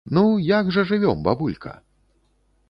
Ну, як жа жывём, бабулька?